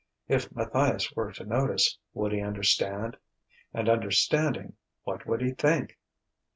If Matthias were to notice, would he understand? And, understanding, what would he think?...